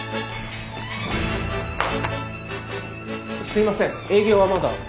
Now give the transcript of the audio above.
すいません営業はまだ。